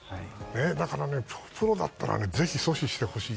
だから、プロだったらぜひ阻止してほしい。